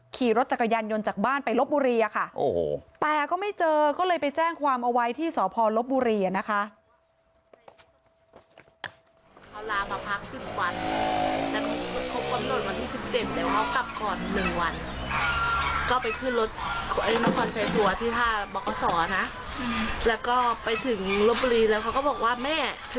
ขี่รถจักรยานยนต์จากบ้านไปลบบุรีอะค่ะแต่ก็ไม่เจอก็เลยไปแจ้งความเอาไว้ที่สพลบุรีนะคะ